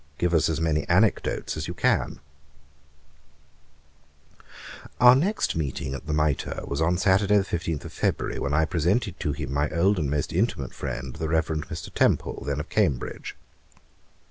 Give us as many anecdotes as you can.' Our next meeting at the Mitre was on Saturday the 15th of February, when I presented to him my old and most intimate friend, the Reverend Mr. Temple, then of Cambridge.